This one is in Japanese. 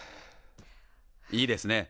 いいですね。